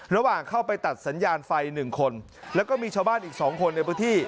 ระหว่างเข้าไปตัดสัญญาณไฟหนึ่งคนแล้วก็มีชาวบ้านอีก๒คนในพื้นที่